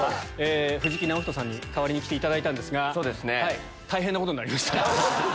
藤木直人さんに代わりに来ていただいたんですが大変なことになりました。